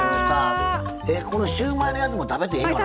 シューマイのやつも食べてええかな？